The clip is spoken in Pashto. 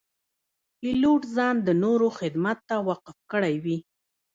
پیلوټ ځان د نورو خدمت ته وقف کړی وي.